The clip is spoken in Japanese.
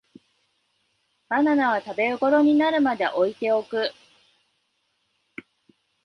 バナナは食べごろになるまで置いておく